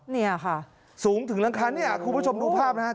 นี่อะค่ะสูงถึงหลังขานี่อะครูผู้ชมดูภาพนะฮะ